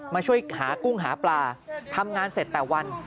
มาช่วยหากุ้งหาปลาทำงานเสร็จแต่วัน